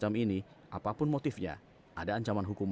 yang selain ini hal lain yang marked muncul di jenayah jail corner